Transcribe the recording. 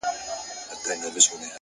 هر څه هېره كاندي”